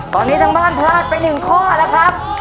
ตอนนี้ทั้งบ้านพลาดไป๑ข้อแล้วครับ